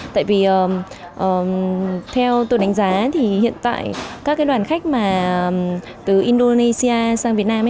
tại vì theo tôi đánh giá thì hiện tại các đoàn khách mà từ indonesia sang việt nam